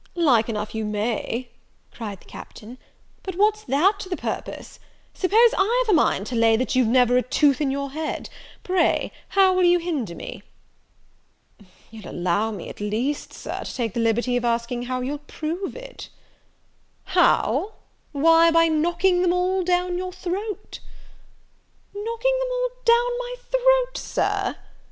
"Like enough you may," cried the Captain;" but what's that to the purpose? Suppose I've a mind to lay that you've never a tooth in your head pray, how will you hinder me?" "You'll allow me, at least, Sir, to take the liberty of asking how you'll prove it?" "How? why, by knocking them all down your throat." "Knocking them all down my throat, Sir!"